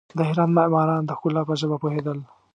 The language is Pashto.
د هرات معماران د ښکلا په ژبه پوهېدل.